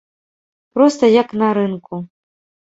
Проста як на рынку.